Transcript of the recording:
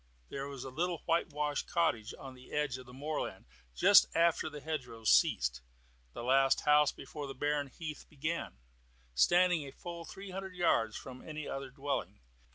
There was a little whitewashed cottage on the edge of the moorland just after the hedgerows ceased the last house before the barren heath began, standing a full three hundred yards from any other dwelling.